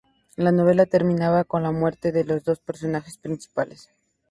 La novela termina con la muerte de los dos personajes principales.